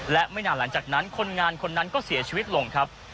และไม่นานหลังจากนั้นคนงานคนนั้นก็เสียชีวิตลงครับ